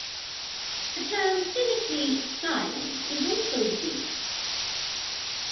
The term clinically silent is also used.